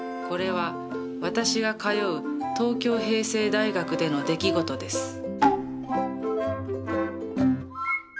これは私が通う東京平成大学での出来事です。